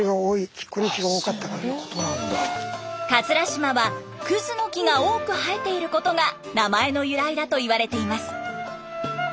島はクズの木が多く生えていることが名前の由来だといわれています。